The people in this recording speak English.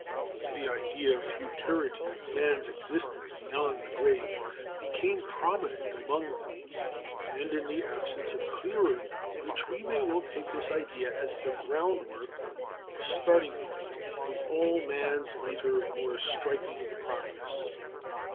The idea of futurity, of man's existence beyond the grave, became prominent among them; and in the absence of clearer knowledge we may well take this idea as the groundwork, the starting point, of all man's later and more striking progress.